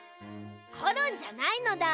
コロンじゃないのだ。